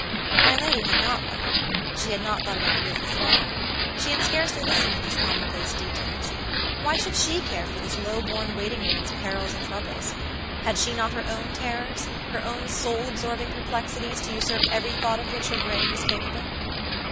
My lady had not wondered, she had not thought about the business at all. She had scarcely listened to these commonplace details; why should she care for this low born waiting woman's perils and troubles? Had she not her own terrors, her own soul absorbing perplexities to usurp every thought of which her brain was capable?